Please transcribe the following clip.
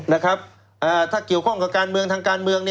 ถ้าเกี่ยวข้องกับการเมืองทางการเมือง